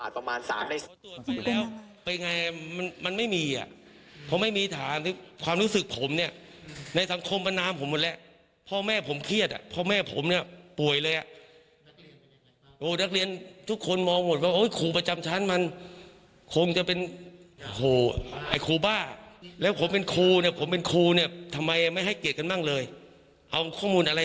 พรีดีมาถึงคุณทำกันอย่างนี้เหรอ